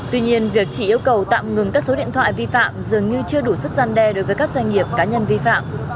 tuy nhiên việc chỉ yêu cầu tạm ngừng các số điện thoại vi phạm dường như chưa đủ sức gian đe đối với các doanh nghiệp cá nhân vi phạm